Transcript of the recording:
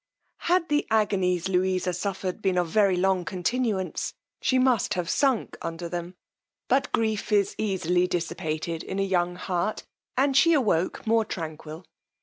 _ Had the agonies Louisa suffered been of very long continuance, she must have sunk under them; but grief is easily dissipated in a young heart, and she awoke more tranquil.